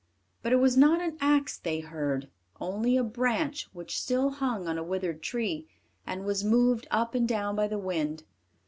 But it was not an axe they heard only a branch which still hung on a withered tree, and was moved up and down by the wind.